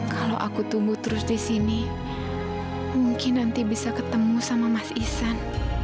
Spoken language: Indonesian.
kalau aku tumbuh terus di sini mungkin nanti bisa ketemu sama mas isan